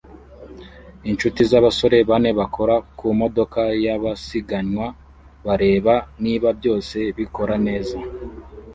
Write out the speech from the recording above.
Inshuti zabasore bane bakora kumodoka yabasiganwa bareba niba byose bikora neza